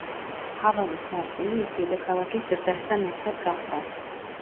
ჰავანის ნაწილი ის დედაქალაქის ზრდასთან ერთად გახდა.